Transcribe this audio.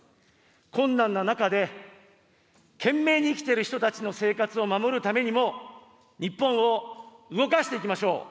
困難な中で懸命に生きてる人たちの生活を守るためにも、日本を動かしていきましょう。